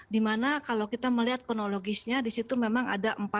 dimana kalau kita melihat kronologisnya disitu memang ada empat orang yang berkas